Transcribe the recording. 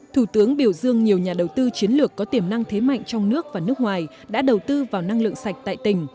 thủ tướng biểu dương nhiều nhà đầu tư chiến lược có tiềm năng thế mạnh trong nước và nước ngoài đã đầu tư vào năng lượng sạch tại tỉnh